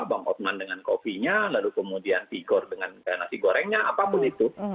bang ottoman dengan kovinya lalu kemudian igor dengan nasi gorengnya apapun itu